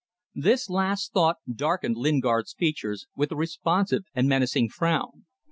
This last thought darkened Lingard's features with a responsive and menacing frown.